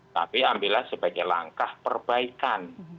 tapi ambillah sebagai langkah perbaikan